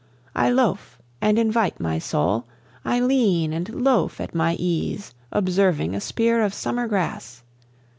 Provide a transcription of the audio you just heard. I loafe and invite my soul, I lean and loafe at my ease observing a spear of summer grass.